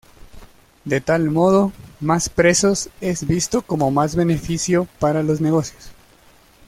De tal modo, más presos es visto como más beneficio para los negocios.